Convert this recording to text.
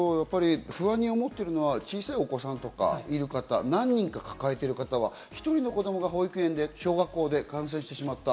あと不安に思っているのは小さいお子さんとかがいる方、何人か抱えている方は１人の子供が保育園で小学校で感染してしまった。